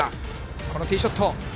このティーショット。